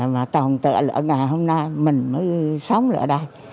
mà tổng tựa lại ở nhà hôm nay mình mới sống lại ở đây